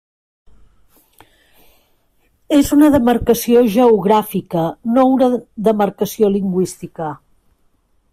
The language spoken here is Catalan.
És una demarcació geogràfica, no una demarcació lingüística.